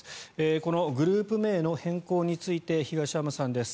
このグループ名の変更について東山さんです。